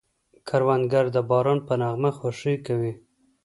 کروندګر د باران په نغمه خوښي کوي